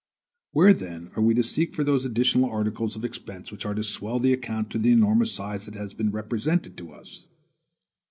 Where then are we to seek for those additional articles of expense which are to swell the account to the enormous size that has been represented to us?